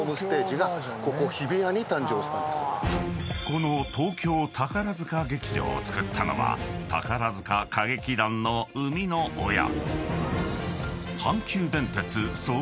［この東京宝塚劇場を造ったのは宝塚歌劇団の生みの親］